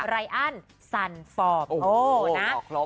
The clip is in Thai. รายอั้นซันฟอร์มโอ้โหนะจริง